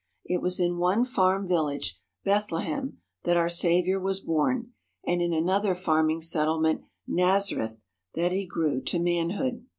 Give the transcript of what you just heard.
It was in one farm village, Bethlehem, that our Saviour was born, and in another farming settlement, Nazareth, that He grew up to manhood.